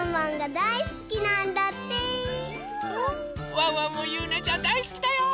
ワンワンもゆうなちゃんだいすきだよ！